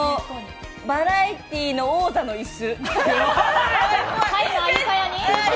バラエティーの王座の椅子？